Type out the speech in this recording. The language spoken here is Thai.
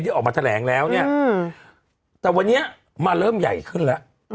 ออกมาแถลงแล้วเนี่ยแต่วันนี้มาเริ่มใหญ่ขึ้นแล้ว